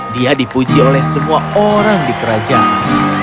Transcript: dia dipuji oleh semua orang di kerajaan